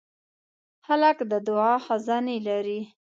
هلک د دعا خزانې لري.